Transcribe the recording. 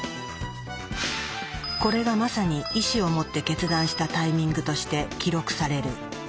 これがまさに意志を持って決断したタイミングとして記録される。